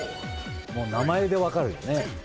名前で分かるよね。